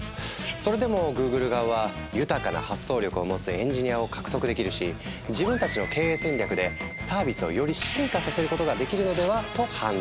それでもＧｏｏｇｌｅ側は豊かな発想力を持つエンジニアを獲得できるし自分たちの経営戦略でサービスをより進化させることができるのでは？と判断。